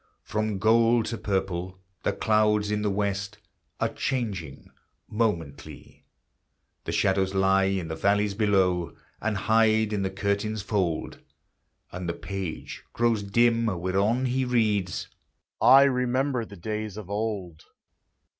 From gold to purple the clouds in the west Are changing momently; The shadows lie in the valleys below, And hide in the curtain's fold; And the page grows dim whereon he reads, "I remember the days of old."